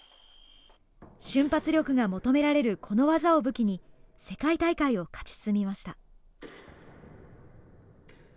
瞬発力が求められるこの技を武器に、世界大会を勝ち進みました。